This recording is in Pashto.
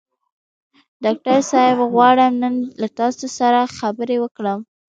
ډاکټر صاحب غواړم نن له تاسو سره خبرې وکړم.